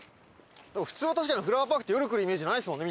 普通は確かにフラワーパークって夜来るイメージないですもんね